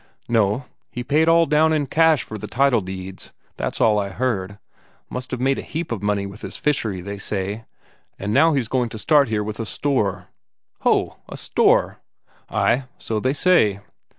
"No. He paid all down in cash for the title deeds. That's all I heard. Must have made a heap of money with his fishery, they say. And now he's going to start here with a store." "Ho! A store?" "Ay, so they say."